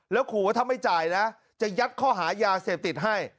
แล้วขอว่าถ้าไม่จ่ายนะจะยัดข้อหายาเสพติดให้